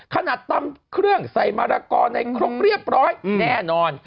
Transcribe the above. ตำเครื่องใส่มะละกอในครกเรียบร้อยแน่นอน